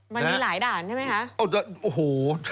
มันมีหลายด่านใช่ไหมคะ